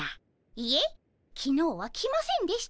いえきのうは来ませんでした。